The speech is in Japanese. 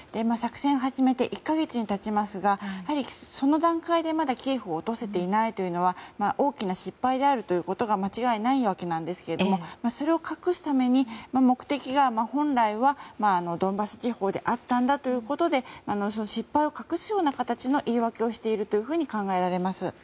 作戦を始めて１か月が経ちますがその段階でまだキエフを落とせていないというのは大きな失敗であるということが間違いないわけなんですけどもそれを隠すために目的が本来はドンバス地方であったんだということで失敗を隠すような形の言い訳をしていると考えられます。